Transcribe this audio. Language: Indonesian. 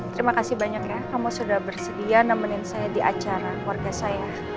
terima kasih banyak ya kamu sudah bersedia nemenin saya di acara keluarga saya